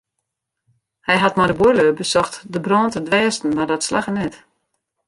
Hy hat mei de buorlju besocht de brân te dwêsten mar dat slagge net.